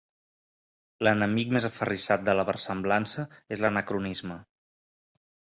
L'enemic més aferrissat de la versemblança és l'anacronisme.